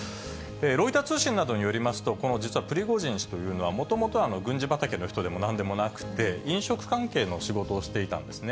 ロイター通信などによりますと、この実はプリゴジン氏というのは、もともとは軍事畑の人でもなんでもなくて、飲食関係の仕事をしていたんですね。